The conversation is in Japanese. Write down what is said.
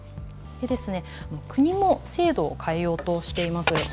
国も制度を変えようとしています。